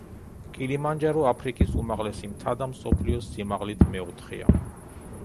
კილიმანჯარო აფრიკის უმაღლესი მთა და მსოფლიოს სიმაღლით მეოთხეა.